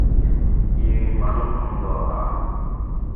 কী মানুষ নন্দ, অ্যাঁ?